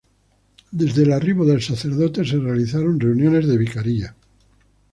Desde el arribo del sacerdote se realizaron reuniones de Vicaría.